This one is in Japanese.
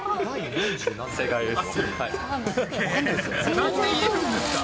正解です。